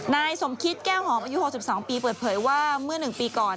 นายสมคิตแก้วหอมอายุหกสิบสามปีเปิดเผยว่าเมื่อหนึ่งปีก่อน